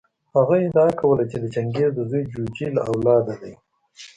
هغه ادعا کوله چې د چنګیز د زوی جوجي له اولاده دی.